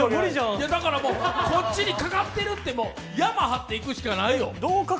だからこっちにかかってるって、ヤマ張っていくしかないよ。